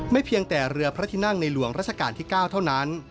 เพียงแต่เรือพระที่นั่งในหลวงราชการที่๙เท่านั้น